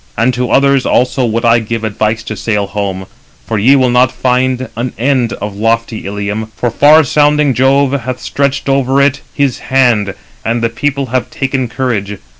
And to others also would I give advice to sail home, for ye will not find an end of lofty Ilium; for far sounding Jove hath stretched over it his hand, and the people have taken courage.